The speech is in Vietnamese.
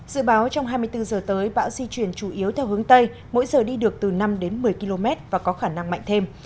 dự báo trong hai mươi bốn giờ tới bão di chuyển chủ yếu theo hướng tây mỗi giờ đi được từ năm đến một mươi km và có khả năng mạnh thêm